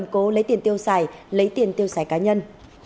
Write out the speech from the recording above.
cố lấy tiền tiêu xài lấy tiền tiêu xài cá nhân